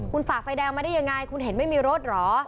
คุณฝ่าไฟแดงมาได้ยังไงคุณเห็นไม่มีรถเหรอ